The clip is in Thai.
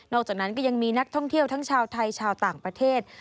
อกจากนั้นก็ยังมีนักท่องเที่ยวทั้งชาวไทยชาวต่างประเทศ